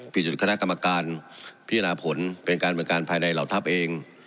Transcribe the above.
จุดคณะกรรมการพิจารณาผลเป็นการบริการภายในเหล่าทัพเอง